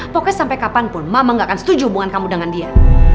pokoknya sampai kapanpun mama gak akan setuju hubungan kamu dengan dia